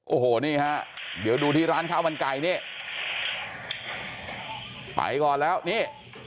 โอ้โหนี่ฮะเดี๋ยวดูที่ร้านข้าวมันไก่นี่ไปก่อนแล้วนี่